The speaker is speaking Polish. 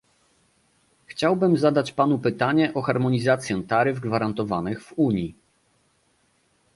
Chciałbym zadać Panu pytanie o harmonizację taryf gwarantowanych w Unii